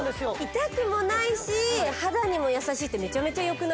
痛くもないし肌にも優しいってめちゃめちゃよくないですか？